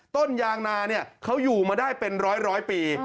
ต้นยางนาเนี่ยเขาอยู่มาได้เป็นร้อยปี